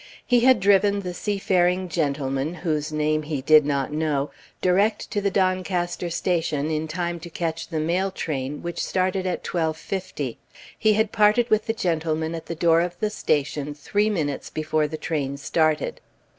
He had driven the seafaring gentleman, whose name he did not know, direct to the Doncaster Station, in time to catch the mail train, which started at 12.50. He had parted with the gentleman at the door of the station three minutes before the train started.